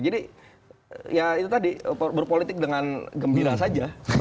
ya itu tadi berpolitik dengan gembira saja